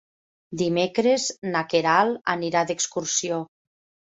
Dimecres na Queralt anirà d'excursió.